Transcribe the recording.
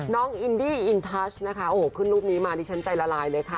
น้องอินดี้อินทัชนะคะโอ้โหขึ้นรูปนี้มาดิฉันใจละลายเลยค่ะ